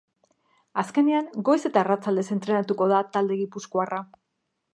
Asteazkenean goiz eta arratsaldez entrenatuko da talde gipuzkoarra.